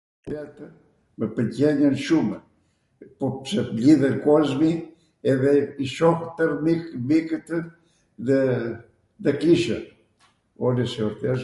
jorteatw mw pwlqejnw shumw, po pse mblidhen kozmi edhe i shoh twrw miktw dhe ndw kishw ολες οι γιορτές...